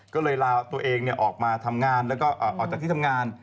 ก็เลยลาตัวเองออกมาทำงานแล้วก็ออกจากที่ทำงาน